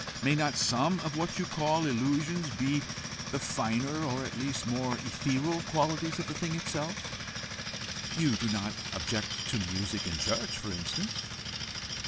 May not some of what you call illusions, be the finer, or at least more ethereal qualities of the thing itself? You do not object to music in church, for instance?"